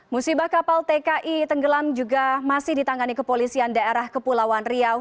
musibah kapal tki tenggelam juga masih ditangani kepolisian daerah kepulauan riau